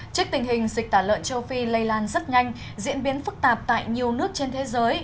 trước tình hình dịch tả lợn châu phi lây lan rất nhanh diễn biến phức tạp tại nhiều nước trên thế giới